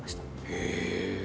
へえ。